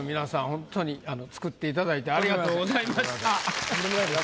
ホントに作っていただいてありがとうございました。